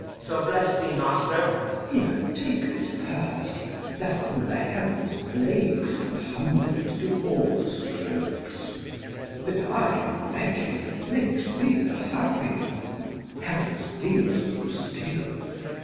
So, bless thee, master! Glou. Here, take this Purse, thou whom the heavens' plagues Have humbled to all strokes. That I am wretched Makes thee the happier. Heavens, deal so still!